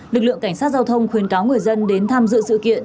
lực lượng cảnh sát giao thông khuyến cáo người dân đến tham dự sự kiện